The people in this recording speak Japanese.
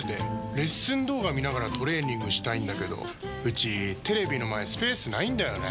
レッスン動画見ながらトレーニングしたいんだけどうちテレビの前スペースないんだよねー。